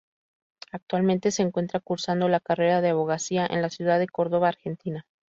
Actualmente se encuentra cursando la carrera de Abogacía en la ciudad de Córdoba, Argentina.